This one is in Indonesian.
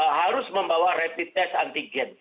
harus membawa rapid test anti gain